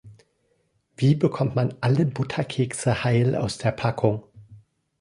Wie bekommt man alle Butterkekse heil aus der Packung?